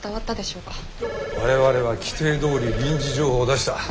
我々は規定どおり臨時情報を出した。